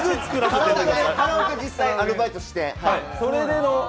カラオケで実際アルバイトしてて。